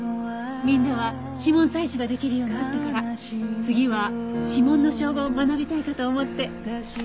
みんなは指紋採取ができるようになったから次は指紋の照合を学びたいかと思って。